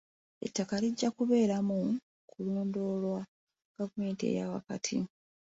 Ettaka lijja kubeera mu kulondoolwa gavumenti eya wakati.